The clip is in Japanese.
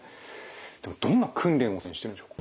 でもどんな訓練をしてるんでしょうか？